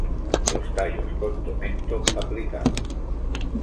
Los tallos con tomento aplicado.